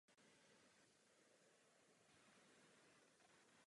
Totéž platí o německé vládě.